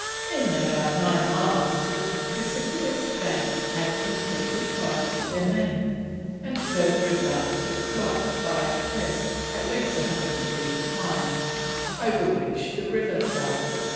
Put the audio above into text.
In about nine miles the precipitous banks had completely closed them in, and further advance was blocked by a cliff, at least 100 feet high, over which the river fell.